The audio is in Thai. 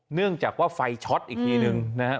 เนื่องจากว่าไฟช็อตอีกทีนึงนะครับ